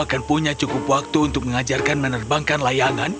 akan punya cukup waktu untuk mengajarkan menerbangkan layangan